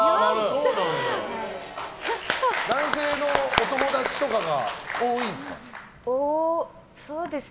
男性のお友達とかが多いんですか？